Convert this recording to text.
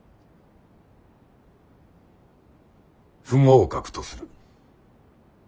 不合格とする。